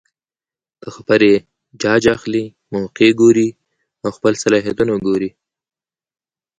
د خبرې جاج اخلي ،موقع ګوري او خپل صلاحيتونه ګوري